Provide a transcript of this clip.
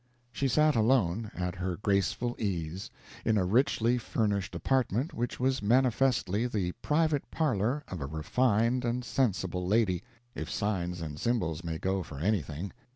She sat alone, at her graceful ease, in a richly furnished apartment which was manifestly the private parlor of a refined and sensible lady, if signs and symbols may go for anything.